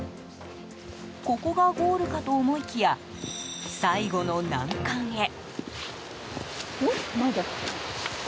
ここがゴールかと思いきや最後の難関へ。